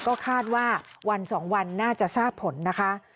ก็คาดว่าวัน๒วันน่าจะทราบผลนะคะ